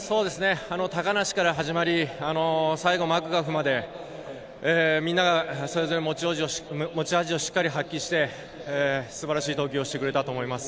高梨から始まり、最後、マクガフまで、みんながそれぞれ持ち味をしっかり発揮してすばらしい投球をしてくれたと思います。